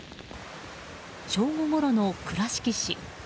正午ごろの倉敷市。